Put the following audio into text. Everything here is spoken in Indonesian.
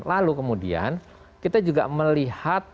lalu kemudian kita juga melihat